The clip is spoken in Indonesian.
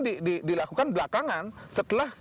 dilakukan belakangan setelah